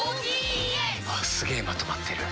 すげえまとまってる。